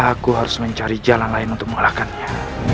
aku harus mencari jalan lain untuk mengalahkannya